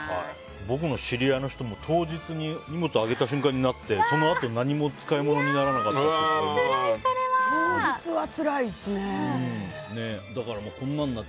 僕の知り合いの人も当日に荷物上げた瞬間になってそのあと何も使いものにならなかったって。